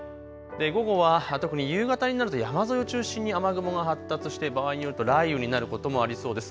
午後は特に夕方になると山沿いを中心に雨雲が発達して場合によって雷雨になることもありそうです。